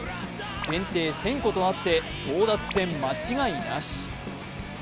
限定１０００個とあって争奪戦間違いなし。